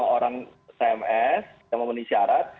orang tms yang memenuhi syarat